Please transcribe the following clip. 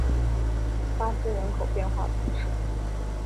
巴斯人口变化图示